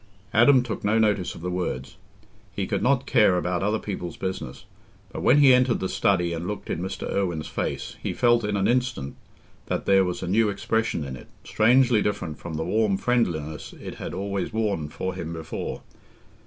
Adam took no notice of the words: he could not care about other people's business. But when he entered the study and looked in Mr. Irwine's face, he felt in an instant that there was a new expression in it, strangely different from the warm friendliness it had always worn for him before.